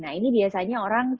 nah ini biasanya orang